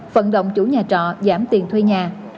phận động chủ nhà trọ giảm tiền thuê nhà